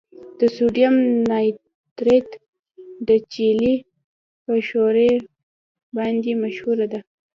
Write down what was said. د سوډیم نایټریټ د چیلي په ښوره باندې مشهوره ده.